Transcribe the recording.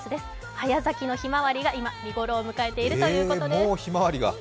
早咲きのひまわりが今、見頃を迎えているということです。